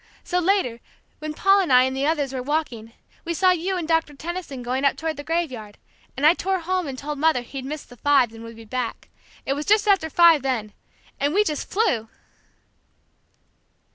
So, later, when Paul and I and the others were walking, we saw you and Doctor Tenison going up toward the graveyard, and I tore home and told Mother he'd missed the five and would be back; it was after five then, and we just flew!"